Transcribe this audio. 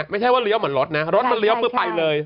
ไม่ใช่ว่าเลี้ยวเหมือนรถนะรถมันเลี้ยวปุ๊บไปเลย